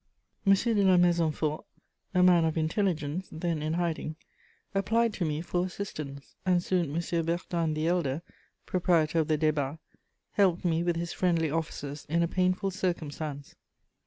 M. de La Maisonfort, a man of intelligence, then in hiding, applied to me for assistance, and soon M. Bertin the Elder, proprietor of the Débats, helped me with his friendly offices in a painful circumstance.